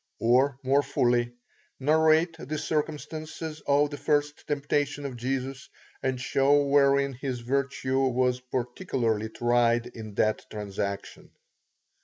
Or, more fully: Narrate the circumstances of the first temptation of Jesus, and show wherein his virtue was particularly tried in that transaction.